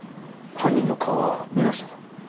犯人の顔は見ましたか？